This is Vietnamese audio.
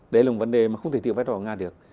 đấy là một vấn đề mà không thể thiếu vai trò của nga được